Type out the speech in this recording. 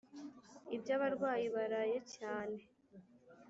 ibya barwayi baraye cyane